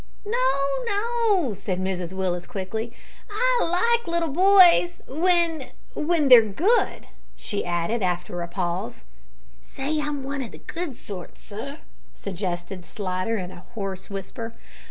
"No, no!" said Mrs Willis quickly; "I like little boys when when they're good," she added, after a pause. "Say I'm one o' the good sort, sir," suggested Slidder, in a hoarse whisper.